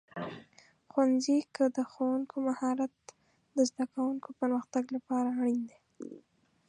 ښوونځي کې د ښوونکو مهارت د زده کوونکو پرمختګ لپاره اړین دی.